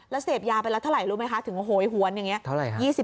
แล้วเสพยาไปแล้วเท่าไหร่รู้ไหมคะถึงโหยหวนอย่างนี้เท่าไหร่